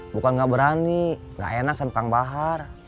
bukan nggak berani gak enak sama kang bahar